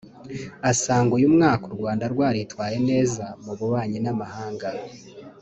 asanga uyu mwaka u Rwanda rwaritwaye neza mu bubanyi n’amahanga